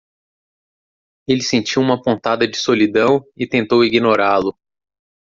Ele sentiu uma pontada de solidão e tentou ignorá-lo.